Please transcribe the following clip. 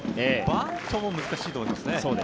バントも難しいと思いますね。